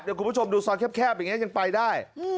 เดี๋ยวคุณผู้ชมดูซอยแคบอย่างนี้ยังไปได้